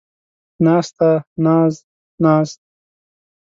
ناسته ، ناز ، ناست